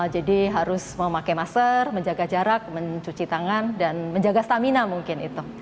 jadi harus memakai masker menjaga jarak mencuci tangan dan menjaga stamina mungkin itu